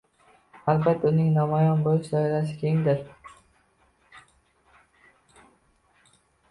Albatta, uning namoyon bo‘lish doirasi kengdir: